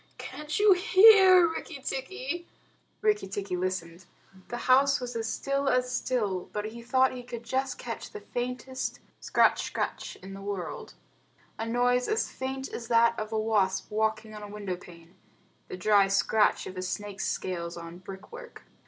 Can't you hear, Rikki tikki?" Rikki tikki listened. The house was as still as still, but he thought he could just catch the faintest scratch scratch in the world a noise as faint as that of a wasp walking on a window pane the dry scratch of a snake's scales on brick work.